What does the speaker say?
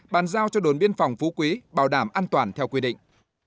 bàn giao cho đồn biên phòng phú quý bảo đảm an toàn theo quy định